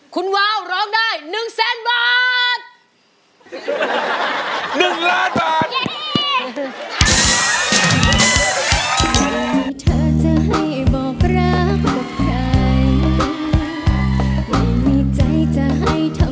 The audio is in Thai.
คุณวาวร้องได้๑แสนบาท